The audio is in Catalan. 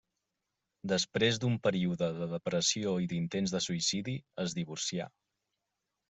Després d'un període de depressió i d'intents de suïcidi, es divorcià.